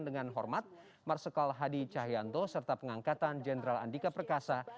dengan hormat marsikal hadi cahyanto serta pengangkatan jenderal andika perkasa